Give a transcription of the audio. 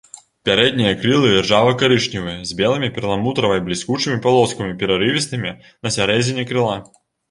Пярэднія крылы іржава-карычневыя з белымі перламутравай бліскучымі палоскамі, перарывістымі на сярэдзіне крыла.